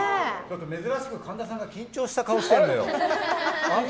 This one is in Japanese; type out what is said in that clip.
珍しく神田さんが緊張した顔してんのよ。